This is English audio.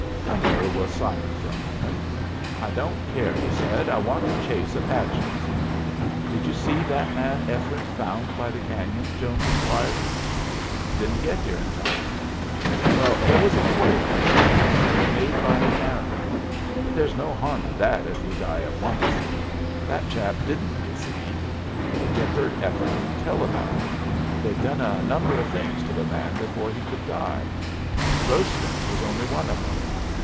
Cumnor was silent for a moment. "I don't care," he said. "I want to chase Apaches." "Did you see that man Ephraim found by the cañon?" Jones inquired. "Didn't get here in time." "Well, there was a hole in his chest made by an arrow. But there's no harm in that if you die at wunst. That chap didn't, y'u see. You heard Ephraim tell about it. They'd done a number of things to the man before he could die. Roastin' was only one of 'em.